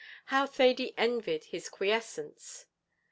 How Thady envied his quiescence!